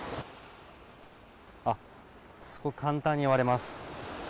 あっ、すごく簡単に割れます。